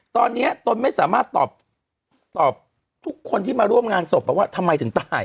ตอนนี้ตนไม่สามารถตอบทุกคนที่มาร่วมงานศพบอกว่าทำไมถึงตาย